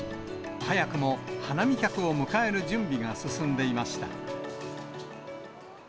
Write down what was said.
早くも花見客を迎える準備が進んでいました。